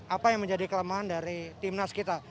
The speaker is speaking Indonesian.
apa yang menjadi kelemahan dari timnas kita